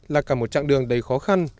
là cả một chặng đường đầy khó khăn